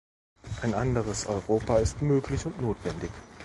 Ein anderes Europa ist möglich und notwendig.